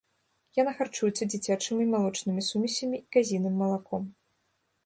Яна харчуецца дзіцячымі малочнымі сумесямі і казіным малаком.